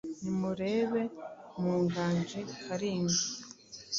Nimureba mu Nganji Kalinga,